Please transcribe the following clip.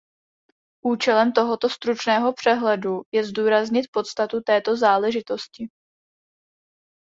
Účelem tohoto stručného přehledu je zdůraznit podstatu této záležitosti.